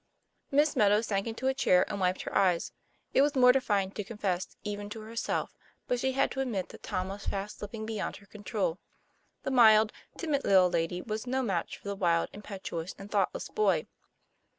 Miss Meadow sank into a chair and wiped her eyes. It was mortifying to confess even to herself, but she had to admit that Tom was fast slipping be yond her control. The mild, timid little lady was no match for the wild, impetuous, thoughtless boy.